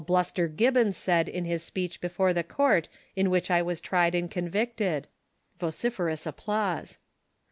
Bluster Gibbons said in his speech before the court in which I was tried and con victed. [Vociferous applause.